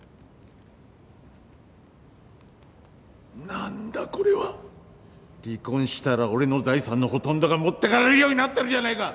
何だこれは。離婚したら俺の財産のほとんどが持ってかれるようになってるじゃないか！